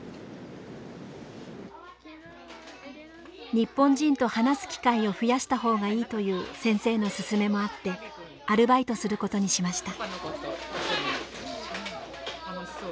日本人と話す機会を増やした方がいいという先生の勧めもあってアルバイトすることにしました。